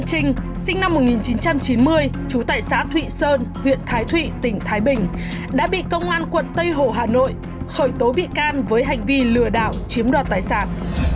chú tại xã thụy sơn huyện thái thụy tỉnh thái bình đã bị công an quận tây hồ hà nội khởi tố bị can với hành vi lừa đảo chiếm đoạt tài sản